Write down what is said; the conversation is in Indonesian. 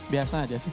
biasa aja sih